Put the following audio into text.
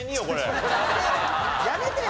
やめてよ！